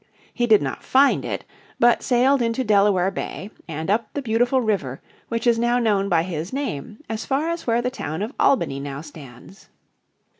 He did not find it, but sailed into Delaware Bay and up the beautiful river which is now known by his name as far as where the town of Albany now stands.